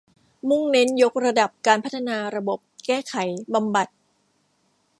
มุ่งเน้นยกระดับการพัฒนาระบบ แก้ไข บำบัด